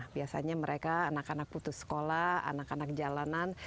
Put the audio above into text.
biasanya mereka anak anak putus sekolah anak anak jalanan